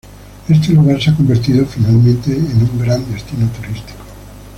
Este lugar se ha convertido finalmente en un gran destino turístico.